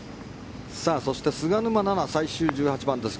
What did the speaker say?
そして菅沼菜々最終１８番です。